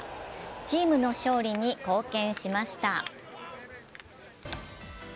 チームの勝利に貢献しました。